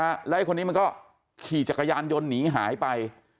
แล้วไอ้คนนี้มันก็ขี่จักรยานยนต์หนีหายไป